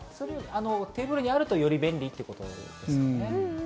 テーブルにあると、より便利ってことですね。